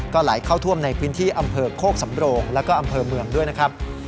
ไหลเข้าท่วมในพื้นที่อำเภอโคกสำโรงแล้วก็อำเภอเมืองด้วยนะครับ